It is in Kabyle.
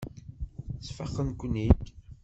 Sfaqen-ken-id.